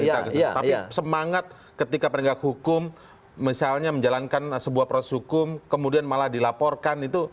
tapi semangat ketika penegak hukum misalnya menjalankan sebuah proses hukum kemudian malah dilaporkan itu